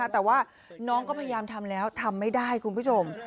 แต่ว่าน้องก็พยายามทำแล้วทำไม่ได้คุณผู้ชม